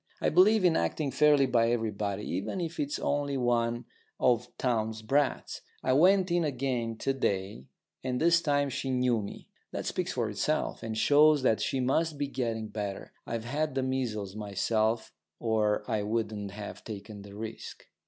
I believe in acting fairly by everybody, even if it's only one of Townes' brats. I went in again to day, and this time she knew me. That speaks for itself, and shows that she must be getting better. I've had the measles myself or I wouldn't have taken the risk.